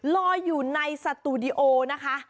ลอยอยู่ในสตูดิโอนะคะ